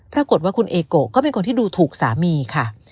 ปรากฏว่าคุณเอโกะก็เป็นคนที่ดูถูกสามีค่ะ